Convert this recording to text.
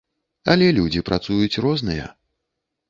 Але людзі працуюць розныя.